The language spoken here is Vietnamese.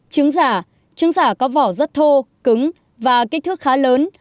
trứng giả trứng giả có vỏ rất thô cứng và kích thước khá lớn